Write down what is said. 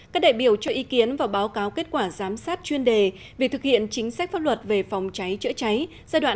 các đại biểu cho ý kiến và báo cáo kết quả giám sát chuyên đề về thực hiện chính sách pháp luật về phòng cháy chữa cháy giai đoạn hai nghìn một mươi bốn hai nghìn một mươi tám